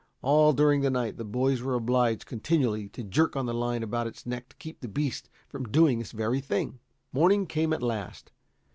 All during the night the boys were obliged continually to jerk on the line about its neck to keep the beast from doing this very thing. Morning came at last.